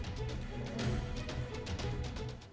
tim liputan cnn indonesia